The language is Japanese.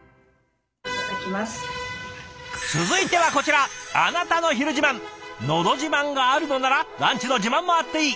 続いてはこちら「のど自慢」があるのならランチの自慢もあっていい！